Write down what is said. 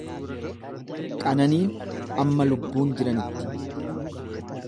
Qananiin amma lubbuun jiranitti.